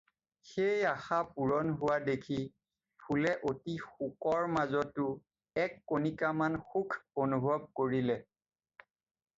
সেই আশা পূৰ হোৱা দেখি ফুলে অতি শোকৰ মাজতো এক কণিকামান সুখ অনুভৱ কৰিলে।